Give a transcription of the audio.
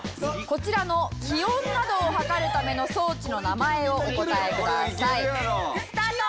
こちらの気温などを測るための装置の名前をお答えください。スタート。